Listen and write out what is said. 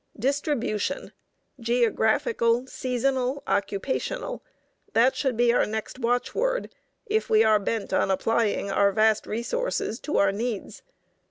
Distribution geographical, seasonal, occupational; that should be our next watch word, if we are bent on applying our vast resources to our needs.